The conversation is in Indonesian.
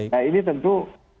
nah ini tentu